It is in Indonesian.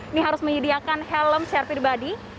ini harus menyediakan helm share private